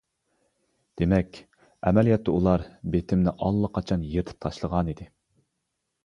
دېمەك، ئەمەلىيەتتە ئۇلار بىتىمنى ئاللىقاچان يىرتىپ تاشلىغانىدى.